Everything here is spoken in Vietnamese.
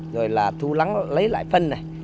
rồi là thu lắng lấy lại phân này